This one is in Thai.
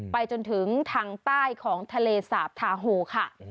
ไปจนถึงทางใต้ของทะเลสาบทาโฮค่ะ